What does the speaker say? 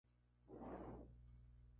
Nina nació en el departamento del Chocó.